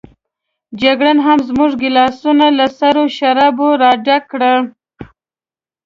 جګړن هم زموږ ګیلاسونه له سرو شرابو راډک کړل.